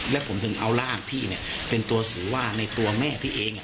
แล้วผมถึงเอาร่างพี่เป็นตัวสื่อว่าในตัวแม่พี่เอง